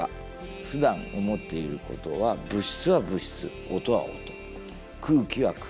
ふだん思っていることは物質は物質音は音空気は空気。